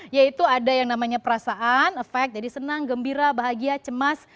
yaitu ada yang namanya perasaan efek jadi senang gembira bahagia cemas